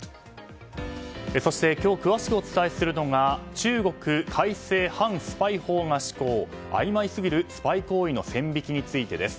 そして今日詳しくお伝えするのが中国、改正反スパイ法が施行あいまいすぎるスパイ行為の線引きについてです。